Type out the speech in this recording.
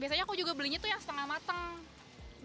biasanya aku juga belinya tuh yang setengah mateng